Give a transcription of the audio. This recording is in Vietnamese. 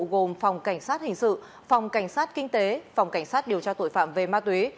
gồm phòng cảnh sát hình sự phòng cảnh sát kinh tế phòng cảnh sát điều tra tội phạm về ma túy